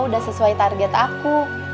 udah sesuai target aku